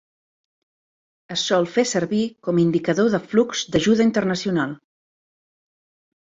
Es sol fer servir com indicador de flux d'ajuda internacional.